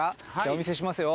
お見せしますよ。